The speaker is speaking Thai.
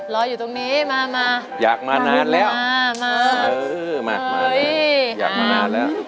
รออยู่ตรงนี้มาอยากมานานแล้วมามาอยากมานานแล้ว